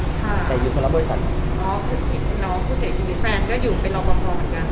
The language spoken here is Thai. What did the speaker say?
ครับแต่คนละบริษัทครับ